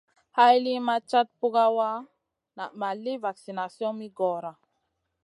Hay li ma cata pukawa naʼ ma li vaksination mi goora.